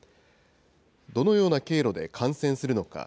どのような経路で感染するのか。